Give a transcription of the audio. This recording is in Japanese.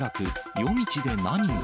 夜道で何が？